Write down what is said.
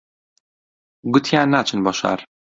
گوتیان ناچن بۆ شار